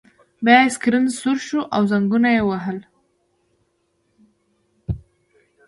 بیا یې سکرین سور شو او زنګونه یې ووهل